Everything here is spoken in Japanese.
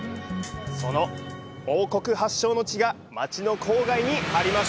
その王国発祥の地が街の郊外にあります。